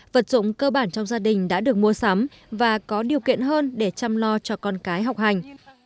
vật dụng cơ bản trong gia đình đã được mua sắm và có điều kiện hơn để chăm lo cho con cái học hành